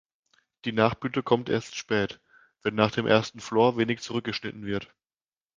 Die Nachblüte kommt erst spät, wenn nach dem ersten Flor wenig zurückgeschnitten wird.